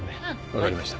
分かりました。